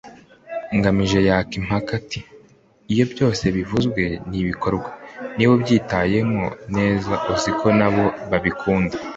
Nganji yajya impaka ati: "Iyo byose bivuzwe nibikorwa, niba ubyitwayemo neza, uziko nabo babikunda."